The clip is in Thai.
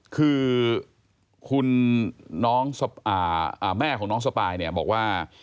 คือแม่ของน้องสปายบอกว่า